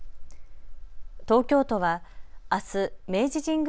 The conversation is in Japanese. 東京都はあす、明治神宮